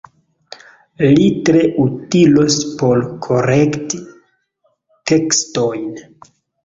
Li tre utilos por korekti tekstojn.